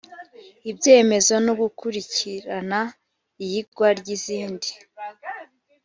ibyemezo no gukurikirana iyigwa ry izindi